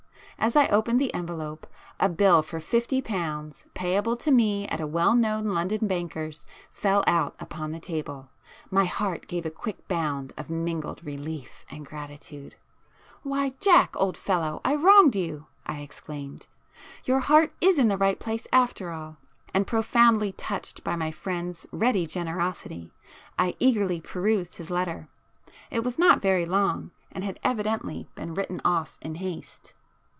As I opened the envelope, a bill for fifty pounds, payable to me at a well known London banker's, fell out upon the table. My heart gave a quick bound of mingled relief and gratitude. "Why Jack, old fellow, I wronged you!" I exclaimed,—"Your heart is in the right place after all." [p 10]And profoundly touched by my friend's ready generosity, I eagerly perused his letter. It was not very long, and had evidently been written off in haste.